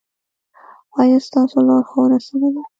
ایا ستاسو لارښوونه سمه ده؟